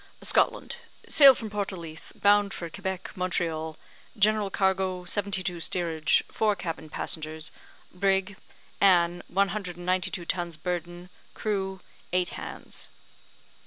"Scotland sailed from port o' Leith, bound for Quebec, Montreal general cargo seventy two steerage, four cabin passengers brig Anne, one hundred and ninety two tons burden, crew eight hands."